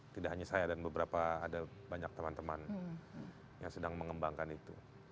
tidak hanya saya dan beberapa ada banyak teman teman yang sedang mengembangkan itu